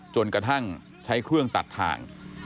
กระทั่งใช้เครื่องตัดทาง